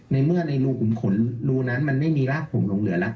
ในเมื่อในรูขุมขนรูนั้นมันไม่มีรากผมหลงเหลือแล้ว